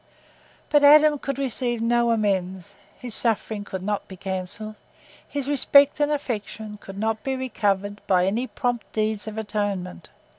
But Adam could receive no amends; his suffering could not be cancelled; his respect and affection could not be recovered by any prompt deeds of atonement.